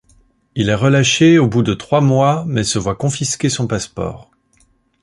Il est relâché au bout de trois mois mais se voit confisquer son passeport.